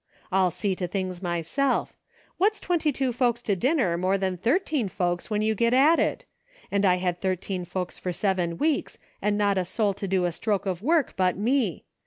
I'lf see to things myself ; what's twenty two folks to dinner, more than thirteen folks, when you get at it .'' and I had thirteen folks for seven weeks, and not a souj to do a stroke of work but me